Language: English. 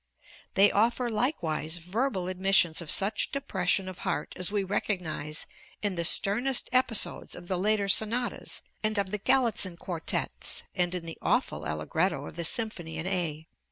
They offer likewise verbal admissions of such depression of heart as we recognize in the sternest episodes of the later Sonatas and of the Galitzin Quartets, and in the awful Allegretto of the Symphony in A.